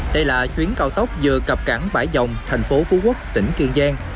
đây là chuyến cao tốc vừa cập cảng bãi dòng thành phố phú quốc tỉnh kiên giang